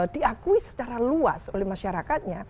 diakui secara luas oleh masyarakatnya